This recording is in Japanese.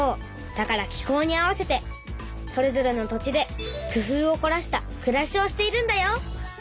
だから気候に合わせてそれぞれの土地で工夫をこらしたくらしをしているんだよ。